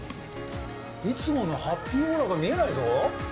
いつものハッピーオーラが見えないぞ？